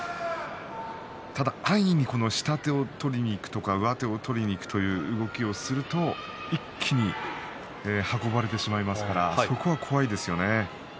ただ安易に下手を取りにいくとか上手を取りにいくという動きをすると一気に運ばれてしまいますからそこは怖いですよね。